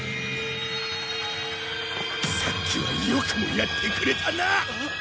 さっきはよくもやってくれたな！